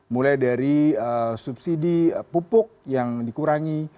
mulai dari subsidi pupuk yang dikurangi